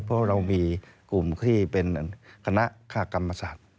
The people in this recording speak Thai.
เพราะเรามีกลุ่มที่เป็นคณะคากรรมศาสตร์